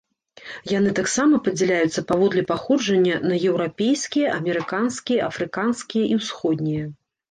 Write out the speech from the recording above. Яны таксама падзяляюцца паводле паходжання на еўрапейскія, амерыканскія, афрыканскія і ўсходнія.